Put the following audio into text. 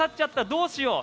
どうしよう！